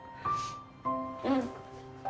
うん。